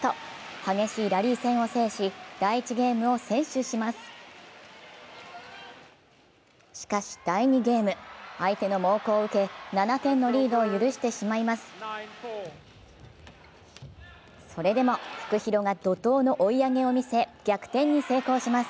激しいラリー戦を制し、第１ゲームを先取します。